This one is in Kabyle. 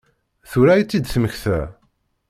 Tura i tt-id-temmekta?